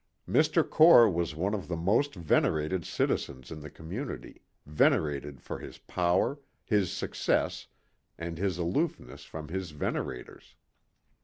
Mr. Core was one of the most venerated citizens in the community, venerated for his power, his success and his aloofness from his venerators.